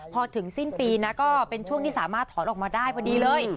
พอถึงสิ้นปีนะก็เป็นช่วงที่สามารถถอนออกมาได้พอดีเลย